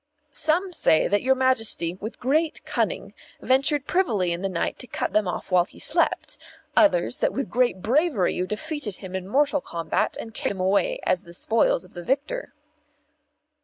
"Some say that your Majesty, with great cunning, ventured privily in the night and cut them off while he slept; others, that with great bravery you defeated him in mortal combat and carried them away as the spoils of the victor."